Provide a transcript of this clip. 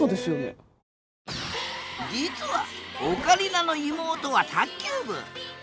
実はオカリナの妹は卓球部。